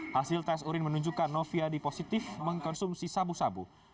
hasil tes urin menunjukkan noviadi positif mengkonsumsi sabu sabu